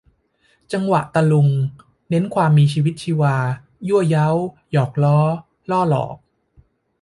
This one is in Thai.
จังหวะตะลุง เน้นความมีชีวิตชีวา ยั่วเย้า หยอกล้อ ล่อหลอก